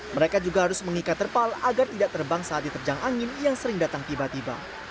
mereka juga harus mengikat terpal agar tidak terbang saat diterjang angin yang sering datang tiba tiba